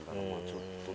ちょっと。